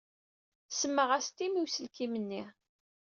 Semmaɣ-as Tim i uselkim-nni.